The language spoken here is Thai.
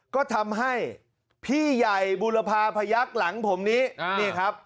ก็ทำให้พี่ใหญ่บุรพาพยักษ์หลังผมนี้นี่ครับ